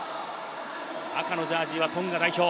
赤のジャージーはトンガ代表。